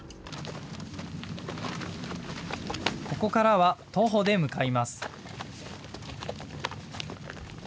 ここからは徒歩で向かいます。